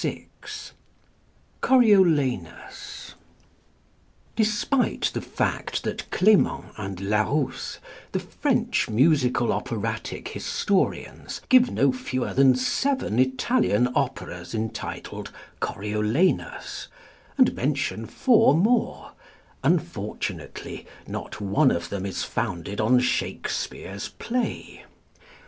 CORIOLANUS Despite the fact that Clément and Larousse, the French musical operatic historians, give no fewer than seven Italian operas entitled Coriolanus, and mention four more, unfortunately not one of them is founded on Shakespeare's play.